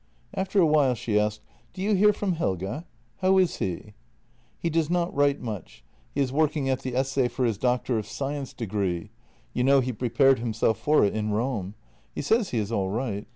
After a while she asked: " Do you hear from Helge? How is he? "" He does not write much. He is working at the essay for his doctor of science degree — you know he prepared himself for it in Rome. He says he is all right.